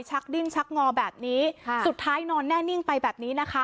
ดิ้นชักงอแบบนี้ค่ะสุดท้ายนอนแน่นิ่งไปแบบนี้นะคะ